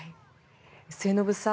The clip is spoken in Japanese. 末延さん